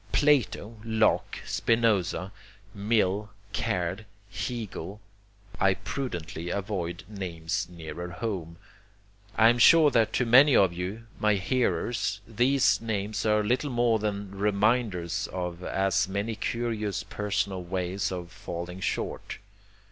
Plato, Locke, Spinoza, Mill, Caird, Hegel I prudently avoid names nearer home! I am sure that to many of you, my hearers, these names are little more than reminders of as many curious personal ways of falling short.